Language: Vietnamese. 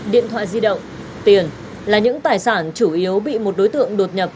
điện thoại di động tiền là những tài sản chủ yếu bị một đối tượng đột nhập